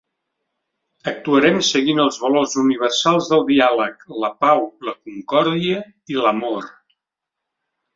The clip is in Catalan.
Actuarem seguint els valors universals del diàleg, la pau, la concòrdia i l’amor.